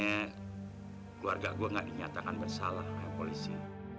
karena keluarga gue gak dinyatakan bersalah oleh polisi